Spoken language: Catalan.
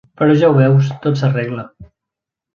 Però ja ho veus, tot s'arregla.